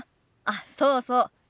あっそうそう。